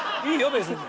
別に。